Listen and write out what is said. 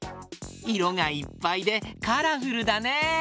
いろがいっぱいでカラフルだね！